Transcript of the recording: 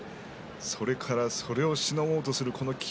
それからそれをしのごうとする霧